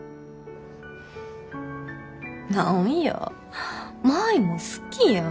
何や舞も好きやん。